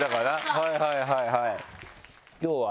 はいはいはいはい今日は？